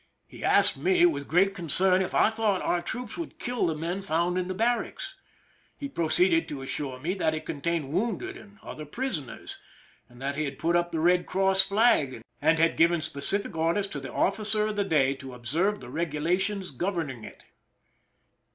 He asked me, with great concern, if I thought our troops would kill the men found in the barracks. He proceeded to assure me that it contained wounded. and other prisoners, and that he had put up the Eed Cross flag, and had given specific orders to the officer of the day to observe the regulations governing it.